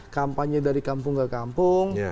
kampanye dari kampung ke kampung